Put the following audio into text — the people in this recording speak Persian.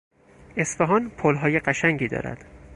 اصفهان پلهای قشنگی دارد.